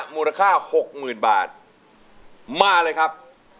มูลค่าหกหมื่นบาทมาเลยครับ